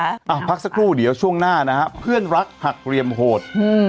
อ่ะพักสักครู่เดี๋ยวช่วงหน้านะครับเพื่อนรักหักเรียมโหด